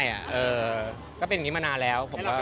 ก็เป็นอย่างนี้มานานแล้วแล้วต่อว่า